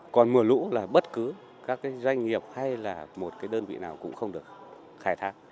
còn mưa lũ là bất cứ các doanh nghiệp hay là một cái đơn vị nào cũng không được khai thác